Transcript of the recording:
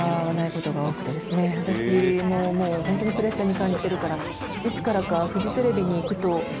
私ももうホントにプレッシャーに感じてるからいつからか。